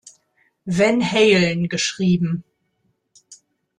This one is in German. Van Halen geschrieben.